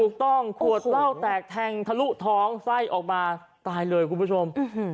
ขวดเหล้าแตกแทงทะลุท้องไส้ออกมาตายเลยคุณผู้ชม